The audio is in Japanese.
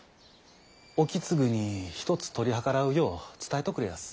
意次にひとつ取り計らうよう伝えとくれやす。